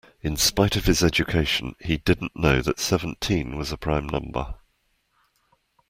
In spite of his education, he didn't know that seventeen was a prime number